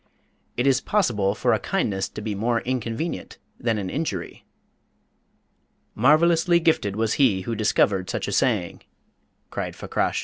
'It is possible for a kindness to be more inconvenient than an injury.'" "Marvellously gifted was he who discovered such a saying!" cried Fakrash.